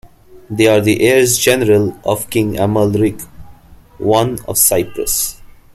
They are the heirs-general of King Amalric I of Cyprus.